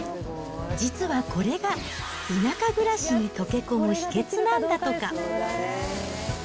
実はこれが、田舎暮らしに溶け込む秘けつなんだとか。